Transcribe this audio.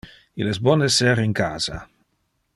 Il es bon esser in casa.